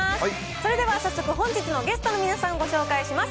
それでは、早速、本日のゲストの皆さん、ご紹介します。